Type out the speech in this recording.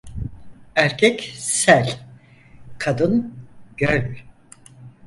Erkek sel, kadın göl.